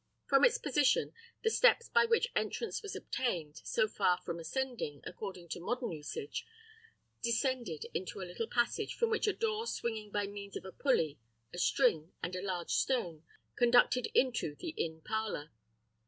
From its position, the steps by which entrance was obtained, so far from ascending, according to modern usage, descended into a little passage, from which a door swinging by means of a pulley, a string, and a large stone, conducted into the inn parlour.